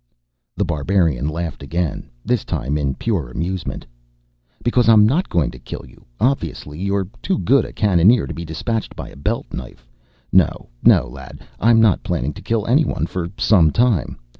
The Barbarian laughed again, this time in pure amusement. "Because I'm not going to kill you, obviously. You're too good a cannoneer to be despatched by a belt knife. No no, lad, I'm not planning to kill anyone for some time.